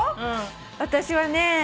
私はね